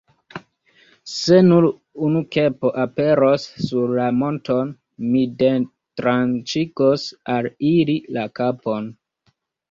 Se nur unu kepo aperos sur la monton, mi detranĉigos al ili la kapon.